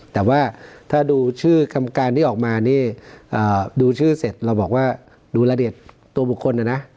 แต่ว่าถ้าดูชื่อคำการที่ออกมานี่ดูชื่อเสร็จเราบอกว่าดูละเอียดตัวบุคคลนะนะ